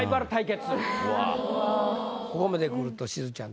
ここまでくるとしずちゃん